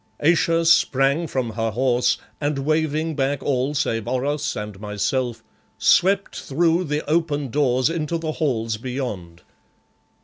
Ayesha sprang from her horse, and waving back all save Oros and myself, swept through the open doors into the halls beyond.